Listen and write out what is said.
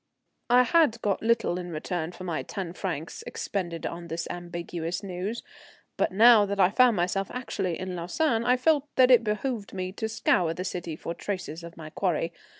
I had got little in return for my ten francs expended on this ambiguous news, but now that I found myself actually in Lausanne I felt that it behoved me to scour the city for traces of my quarry.